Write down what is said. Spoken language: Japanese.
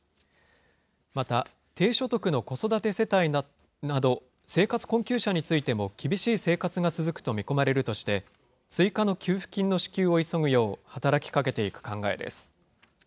また、低所得の子育て世帯など、生活困窮者についても厳しい生活が続くと見込まれるとして、追加の給付金の支給を急ぐよう、働きかけていく考えです。